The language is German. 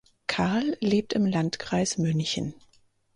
Karl lebt im Landkreis München.